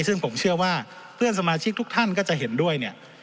ซึ่งผมเชื่อว่าเพื่อนสมาชิกทุกท่านก็จะเห็นด้วยเนี่ย